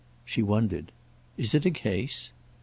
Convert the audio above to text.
She wondered. "Is it a case?"